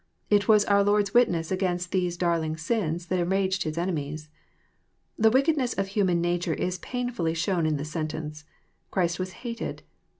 It was onr Lord*s witness against these darling sins that enraged His enemies. The wiclcedness of hnman nature is painfhlly shown in this sentence. Christ was hated."